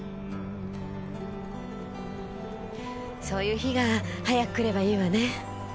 そういう日が早く来ればいいわね。